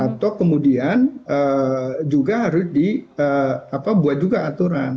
atau kemudian juga harus dibuat juga aturan